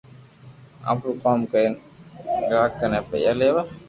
آپرو ڪوم ڪرين گراڪني پيئا ليوا